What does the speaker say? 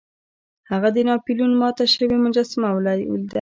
هغه د ناپلیون ماته شوې مجسمه ولیده.